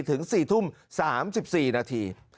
ถึง๔ทุ่ม๓๔นาที